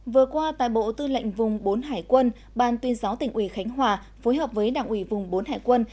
vừa qua tài bộ tư lệnh vùng bốn hải quân ban tuyên giáo tỉnh uỷ khánh hòa phối hợp với đảng uỷ vùng bốn hải quân